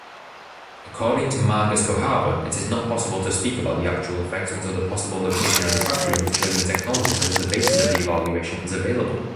According to Margus Kohava, it is not possible to speak about the actual effects until the possible location of the factory and the chosen technology that is the basis of the evaluation is available.